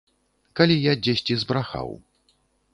Калі я дзесьці збрахаў.